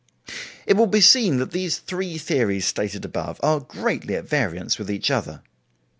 It will be seen that these three theories stated above are greatly at variance with each other.